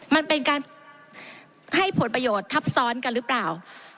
มันเป็นการให้ผลประโยชน์ทับซ้อนกันหรือเปล่า